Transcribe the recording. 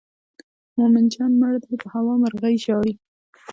مومن جان مړ دی په هوا مرغۍ ژاړي.